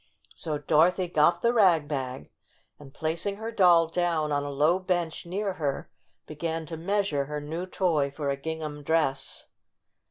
So Dorothy got the rag bag and, plac ing her doll down on a low bench near her, began to measure her new toy for a ging ham dress.